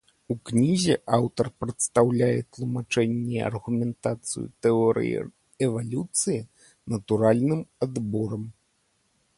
У кнізе аўтар прадстаўляе тлумачэнне і аргументацыю тэорыі эвалюцыі натуральным адборам.